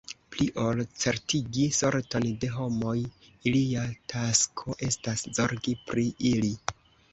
Pli ol certigi sorton de homoj, ilia tasko estas zorgi pri ili.